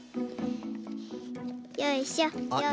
よいしょよいしょ。